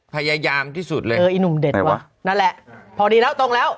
พยายามที่สุดเลยเอออีหนุ่มเด็ดวะนั่นแหละพอดีแล้วตรงแล้ว